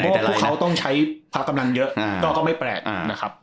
ทีมพลังดมพวกเขาต้องใช้พากำลังเยอะก็ไม่แปลกนะครับ